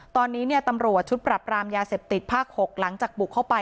ตอนนี้ตำรวจชุดปรับรามยาเสพติดภาค๖หลังจากบุกเข้าไป